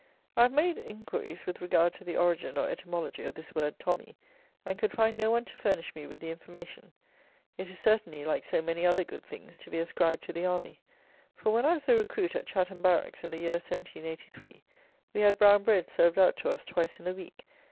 I have made inquiries with regard to the origin, or etymology, of this word tommy, and could find no one to furnish me with the information. It is certainly, like so many other good things, to be ascribed to the army; for, when I was a recruit at Chatham barracks, in the year 1783, we had brown bread served out to us twice in the week.